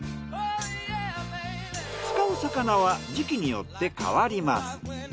使う魚は時季によって変わります。